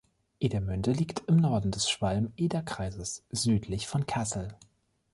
Edermünde liegt im Norden des Schwalm-Eder-Kreises, südlich von Kassel.